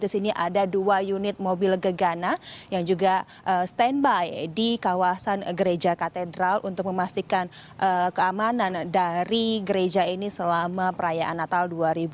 di sini ada dua unit mobil gegana yang juga standby di kawasan gereja katedral untuk memastikan keamanan dari gereja ini selama perayaan natal dua ribu dua puluh